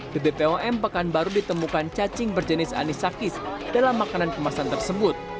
di bpom pekanbaru ditemukan cacing berjenis anisakis dalam makanan kemasan tersebut